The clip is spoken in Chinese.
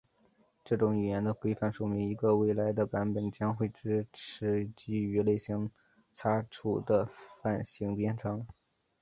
这种语言的规范说明一个未来的版本将会支持基于类型擦除的泛型编程。